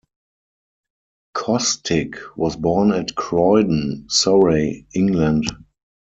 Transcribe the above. Cosstick was born at Croydon, Surrey, England.